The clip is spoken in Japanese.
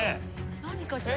何かしら？